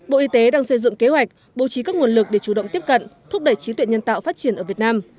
bộ y tế đang xây dựng kế hoạch bố trí các nguồn lực để chủ động tiếp cận thúc đẩy trí tuệ nhân tạo phát triển ở việt nam